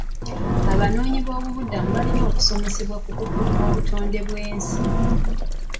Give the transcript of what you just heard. Abanoonyiboobubudamu balina okusomesebwa ku kukuuma obutonde bw'ensi.